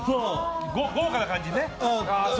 豪華な感じね。